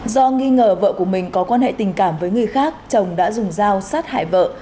do nghi ngờ vợ của mình có quan hệ tình cảm với người khác chồng đã dùng dao sát hại vợ